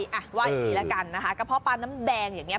ว่าอีกนี่ละกันนะฮะกระเพาะปลานน้ำแดงอย่างนี้